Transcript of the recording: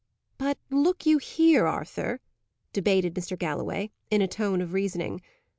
"But look you here, Arthur," debated Mr. Galloway, in a tone of reasoning.